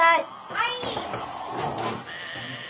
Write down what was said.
はい！